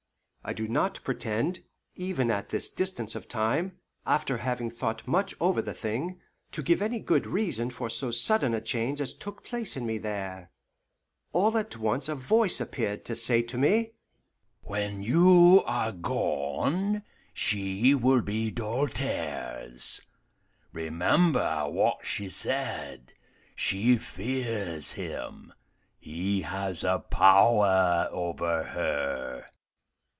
I do not pretend, even at this distance of time, after having thought much over the thing, to give any good reason for so sudden a change as took place in me there. All at once a voice appeared to say to me, "When you are gone, she will be Doltaire's. Remember what she said. She fears him. He has a power over her."